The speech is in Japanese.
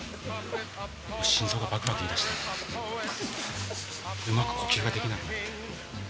心臓がバクバクいいだしてうまく呼吸ができなくなって。